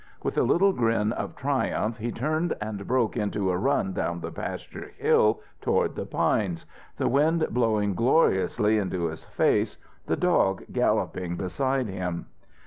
With a little grin of triumph he turned and broke into a run down the pasture hill toward the pines, the wind blowing gloriously into his face, the dog galloping beside him.